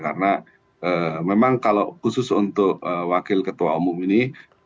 karena memang kalau khusus untuk wakil ketua umum ini